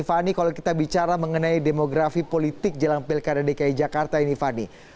fani kalau kita bicara mengenai demografi politik jelang pilkada dki jakarta ini fani